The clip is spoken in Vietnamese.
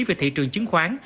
về thị trường chứng khoán